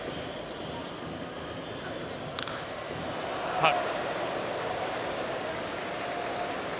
ファウル。